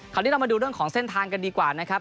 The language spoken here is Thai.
คราวนี้เรามาดูเรื่องของเส้นทางกันดีกว่านะครับ